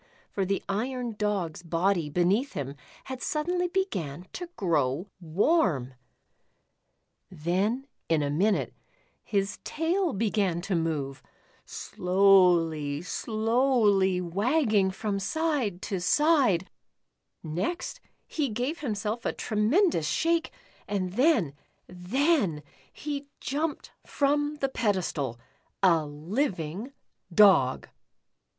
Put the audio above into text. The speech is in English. For the iron Dog's body beneath him had suddenly be<jan to orrow ivarni ! 164 The Iron Dog. Then — in a minute — his tail began to move — s 1 o w l y, s 1 o vv l y wagging from side to side. Next he gave himself a tremendous shake, and then — then — he jumped from the pedestal — a liv ing Dog!